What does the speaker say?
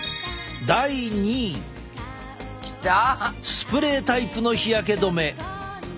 スプレータイプの日焼け止め。